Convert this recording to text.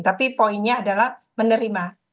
tapi poinnya adalah menerima